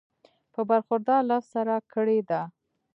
پۀ برخوردار لفظ سره کړی دی